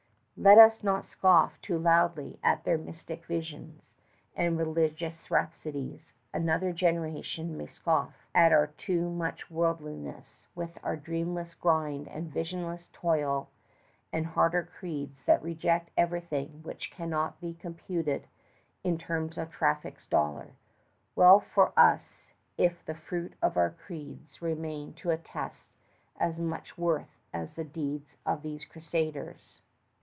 Let us not scoff too loudly at their mystic visions and religious rhapsodies! Another generation may scoff at our too much worldliness, with our dreamless grind and visionless toil and harder creeds that reject everything which cannot be computed in the terms of traffic's dollar! Well for us if the fruit of our creeds remain to attest as much worth as the deeds of these crusaders!